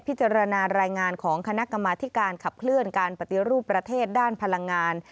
รายงานของคณะกรรมาธิการขับเคลื่อนการปฏิรูปประเทศด้านพลังงาน